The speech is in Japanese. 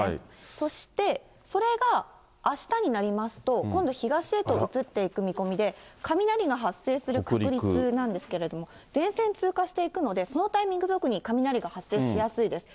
そしてそれがあしたになりますと、今度、東へと移っていく見込みで、雷が発生する確率なんですけれども、前線通過していくので、そのタイミング特に雷が発生しやすいです。